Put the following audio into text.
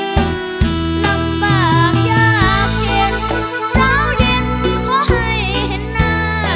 ลำบากยากเย็นเช้าเย็นขอให้เห็นหน้า